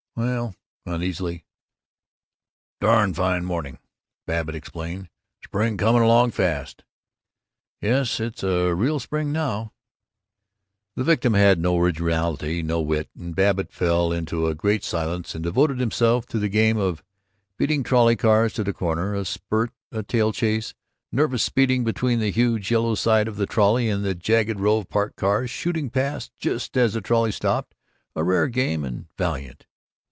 "Well " uneasily. "Darn fine morning," Babbitt explained. "Spring coming along fast." "Yes, it's real spring now." The victim had no originality, no wit, and Babbitt fell into a great silence and devoted himself to the game of beating trolley cars to the corner: a spurt, a tail chase, nervous speeding between the huge yellow side of the trolley and the jagged row of parked motors, shooting past just as the trolley stopped a rare game and valiant.